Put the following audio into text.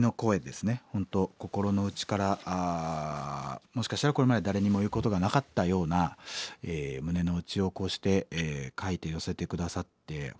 本当心の内からもしかしたらこれまで誰にも言うことがなかったような胸の内をこうして書いて寄せて下さって本当にありがとうございます。